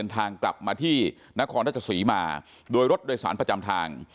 ทางกลับมาที่นครราชศรีมาโดยรถโดยสารประจำทาง